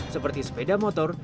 seperti sepeda motor